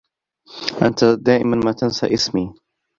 أنت دائما ما تنسى إسمي.